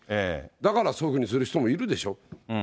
だからそういうふうにする人もいるでしょって。